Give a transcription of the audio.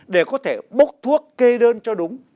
để có thể bốc thuốc kê đơn cho đúng